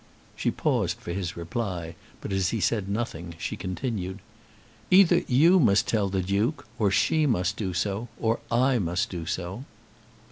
She paused for his reply, but as he said nothing, she continued: "Either you must tell the Duke, or she must do so, or I must do so."